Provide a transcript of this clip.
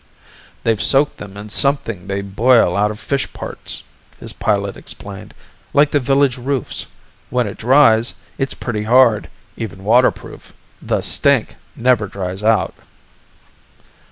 "They've soaked them in something they boil out of fish parts," his pilot explained. "Like the village roofs. When it dries, it's pretty hard, even waterproof. The stink never dries out."